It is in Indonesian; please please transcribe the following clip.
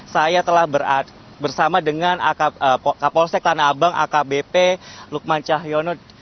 saya telah bersama dengan kapolsek tanah abang akbp lukman cahyono